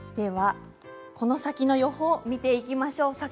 この先の予報を見ていきましょう。